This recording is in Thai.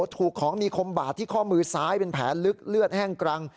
ถูกของมีคมบาดที่ข้อมือซ้ายเป็นแผลลึกเลือดแห้งกรัง